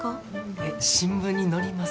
えっ新聞に載ります？